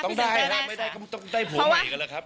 ต้องได้หรือไม่ได้ก็ต้องได้ผู้ใหม่กันแหละครับผม